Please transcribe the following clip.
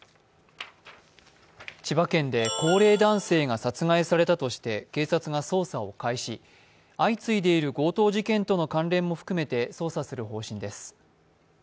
千葉県で高齢男性が殺害されたとして、警察が捜査を開始、相次いでいる強盗事件との関連も含めて捜査する方針です。